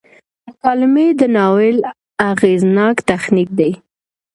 مکالمې د ناول اغیزناک تخنیک دی.